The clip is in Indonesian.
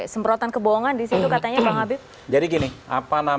semprotan kebohongan disitu katanya pak habib